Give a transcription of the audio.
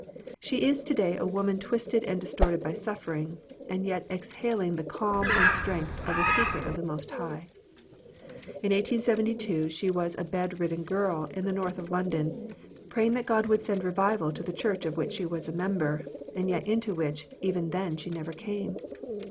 She is to day a woman twisted and distorted by suffering, and yet exhaling the calm and strength of the secret of the Most High. In 18Y2 she was a bed ridden girl in the ISTorth of London, praying that God would send revival to the Church of which she was a mem ber, and yet into which even then she never came.